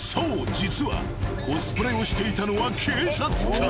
実はコスプレをしていたのは］